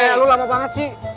kayak lu lama banget sih